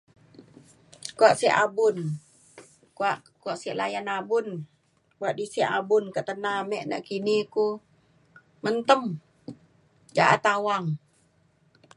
kua sio abun kua sio layan abun kua di sio abun ka tana ame nekini ku mentem ja'at awang